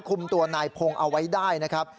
คุมตัวนายพงศ์เอาไว้ได้นะครับ